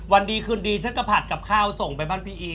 วันดีคืนดีฉันก็ผัดกับข้าวส่งไปบ้านพี่อี